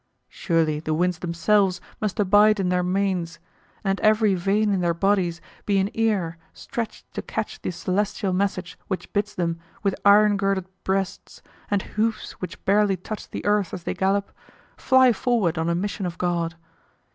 Surely the winds themselves must abide in their manes, and every vein in their bodies be an ear stretched to catch the celestial message which bids them, with iron girded breasts, and hooves which barely touch the earth as they gallop, fly forward on a mission of God?